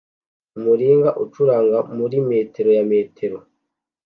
Umuringa ucuranga muri metero ya metero